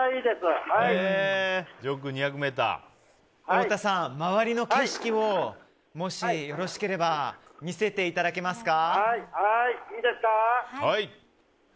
太田さん、周りの景色をもしよろしければ見せていただけますか。